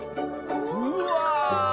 うわ！